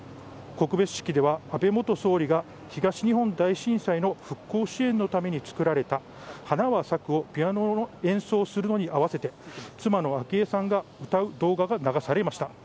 告別式では、安倍元総理が東日本大震災の復興支援のために作られた「花は咲く」をピアノの演奏をするのに合わせて妻の昭恵さんが歌う動画が流されました。